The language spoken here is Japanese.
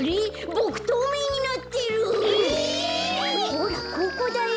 ほらここだよ。